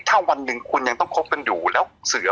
ถ้าวันหนึ่งคุณยังต้องคบกันอยู่แล้วเสือ